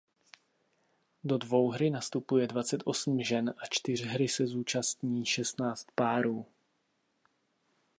Do dvouhry nastupuje dvacet osm žen a čtyřhry se účastní šestnáct párů.